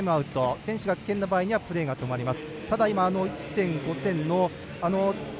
選手が危険な場合にはプレーが止まります。